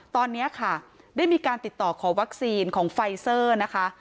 ตอนนี้ค่ะได้มีการติดต่อขอวัคซีนของไฟเซอร์นะคะ